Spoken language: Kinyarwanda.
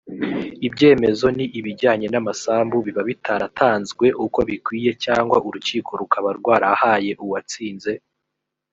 ibyemezo ni ibijyanye n’ amasambu biba bitaratanzwe uko bikwiye cyangwa urukiko rukaba rwarahaye uwatsinze